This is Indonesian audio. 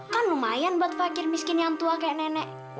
kan lumayan buat fakir miskin yang tua kayak nenek